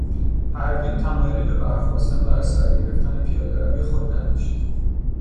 پروین تمایلی به برخاستن و از سر گرفتن پیادهروی خود نداشت.